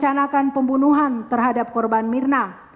dengan menguraikan pembunuhan terhadap korban mirna